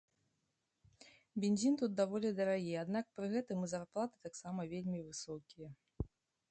Бензін тут даволі дарагі, аднак, пры гэтым і зарплаты таксама вельмі высокія.